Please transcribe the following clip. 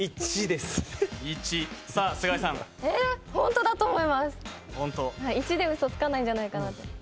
１でうそつかないんじゃないかなって。